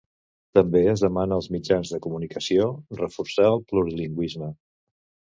També es demana als mitjans de comunicació reforçar el plurilingüisme.